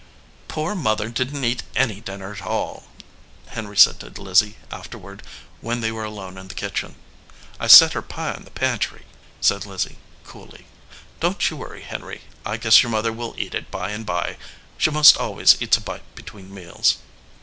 "Poor Mother didn t eat any dinner at all," Henry said to Lizzie afterward when they were alone in the kitchen. "I set her pie in the pantry," said Lizzie, coolly. "Don t you worry, Henry. I guess your mother will eat it by and by. She most always eats a bite between meals."